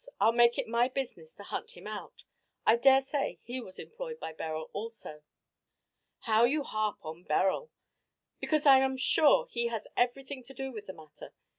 I'll make it my business to hunt him out. I daresay he was employed by Beryl also." "How you harp on Beryl." "Because I am sure he has everything to do with the matter.